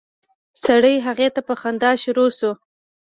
سړی هغې ته په خندا شروع شو.